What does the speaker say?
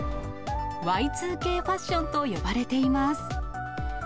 Ｙ２Ｋファッションと呼ばれています。